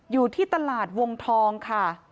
อยู่ที่ตลาดวงทองค่ะ